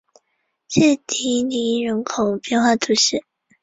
谢迪尼人口变化图示